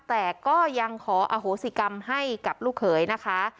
แต่ก็ยังขออโหสิกรรมให้กับลูกเขยนะคะ